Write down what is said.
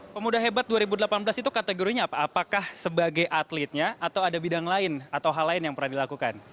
pemuda hebat dua ribu delapan belas itu kategorinya apa apakah sebagai atletnya atau ada bidang lain atau hal lain yang pernah dilakukan